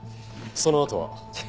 そのあとは？